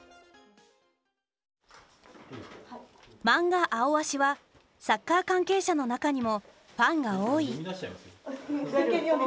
マンガ「アオアシ」はサッカー関係者の中にもファンが多い。